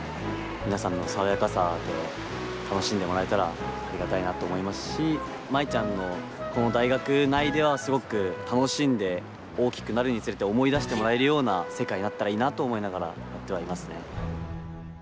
飛ぶことが夢っていうのって大変だなと思いますし舞ちゃんのこの大学内ではすごく楽しんで大きくなるにつれて思い出してもらえるような世界になったらいいなと思いながらやってはいますね。